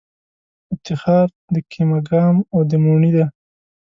افتخار د کېمه ګام او د موڼی دی